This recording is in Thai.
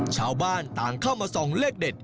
ชาวบ้านต่างเข้ามาส่องเลขเด็ด